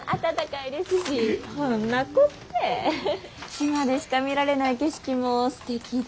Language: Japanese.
島でしか見られない景色もすてきで。